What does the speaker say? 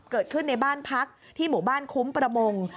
เกิดขึ้นในบ้านพักที่หมู่บ้านคุ้มประมง